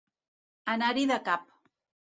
Anar-hi de cap.